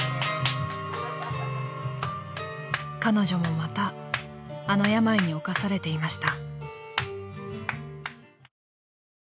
［彼女もまたあの病に侵されていました］